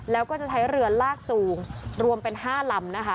แล้วก็จะใช้เรือลากจูงรวมเป็น๕ลำนะคะ